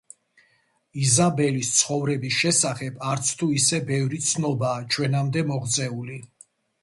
იზაბელის ცხოვრების შესახებ, არც თუ ისე ბევრი ცნობაა ჩვენამდე მოღწეული.